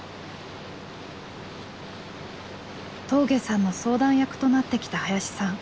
峠さんの相談役となってきた林さん。